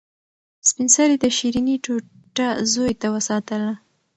سپین سرې د شیرني ټوټه زوی ته وساتله.